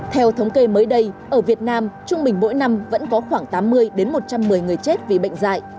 theo thống kê mới đây ở việt nam trung bình mỗi năm vẫn có khoảng tám mươi một trăm một mươi người chết vì bệnh dạy